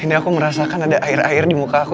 ini aku merasakan ada air air di muka aku